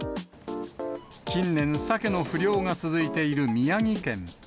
近年、サケの不漁が続いている宮城県。